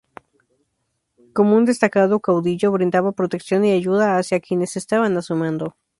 Como un destacado caudillo, brindaba protección y ayuda hacia quienes estaban a su mando.